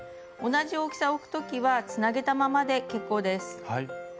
同じ大きさを置くときはつなげたままで結構です。